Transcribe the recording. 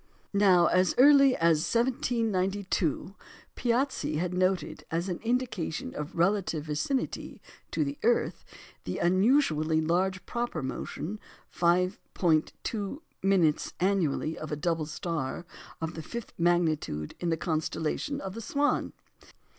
Now, as early as 1792, Piazzi had noted as an indication of relative vicinity to the earth, the unusually large proper motion (5·2" annually) of a double star of the fifth magnitude in the constellation of the Swan.